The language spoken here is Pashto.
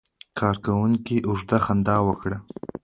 کارکونکي اوږده خندا وکړه.